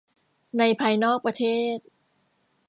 ในภายนอกประเทศ